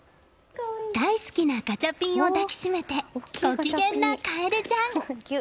大好きなガチャピンを抱きしめてご機嫌なかえでちゃん。